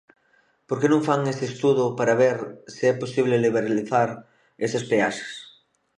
¿Por que non fan ese estudo para ver se é posible liberalizar esas peaxes?